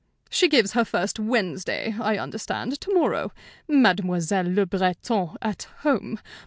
"She gives her first 'Wednesday,' I understand, to morrow. 'Mademoiselle Le Breton at home!'